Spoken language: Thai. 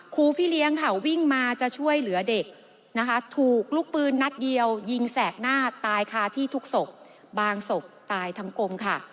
ครูพี่เลี้ยงค่ะวิ่งมาจะช่วยเหลือเด็กนะคะถูกลูกปืนนัดเดียวยิงแสกหน้าตายคาที่ทุกศพบางศพตายทั้งกลมค่ะ